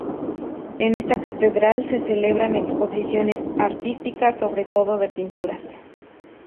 En esta catedral se celebran exposiciones artísticas, sobre todo de pinturas.